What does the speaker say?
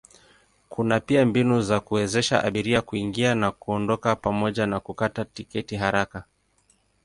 Kuna pia mbinu za kuwezesha abiria kuingia na kuondoka pamoja na kukata tiketi haraka.